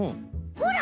ほら！